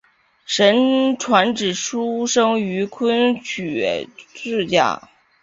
沈传芷出生于昆曲世家。